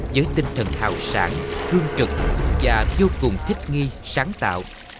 với tinh thần hào sản hương trực và vô cùng thích nghi sáng tạo